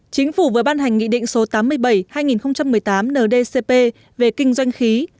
chính phủ vừa ban hành nghị định số tám mươi bảy hai nghìn một mươi tám ndcp về kinh doanh khí